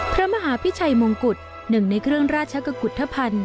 พระมหาพิชัยมงกุฎหนึ่งในเครื่องราชกุฏธภัณฑ์